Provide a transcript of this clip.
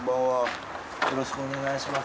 よろしくお願いします。